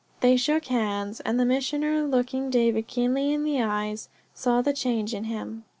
They shook hands, and the Missioner, looking David keenly in the eyes, saw the change in him.